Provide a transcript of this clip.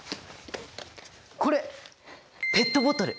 これペットボトル！